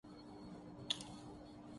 وہ اس ملک میں آتی جاتی رہتی ہے